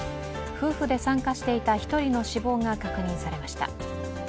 夫婦で参加していた１人の死亡が確認されました。